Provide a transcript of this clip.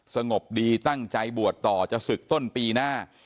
สงบดีตั้งใจบวชต่อจะศึกต้นปีหน้า